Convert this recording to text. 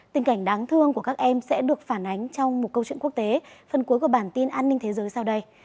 tình cảnh đáng thương của các em sẽ được phản ánh trong một câu chuyện quốc tế phần cuối của bản tin an ninh thế giới sau đây